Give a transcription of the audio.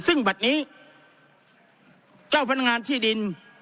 ซึ่งบัตรนี้เจ้าพนักงานที่ดิน